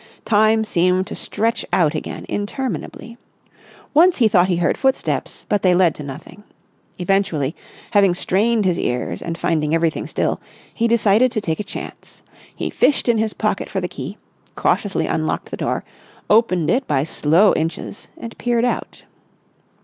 Time seemed to stretch out again interminably. Once he thought he heard footsteps but they led to nothing. Eventually, having strained his ears and finding everything still, he decided to take a chance. He fished in his pocket for the key, cautiously unlocked the door, opened it by slow inches, and peered out.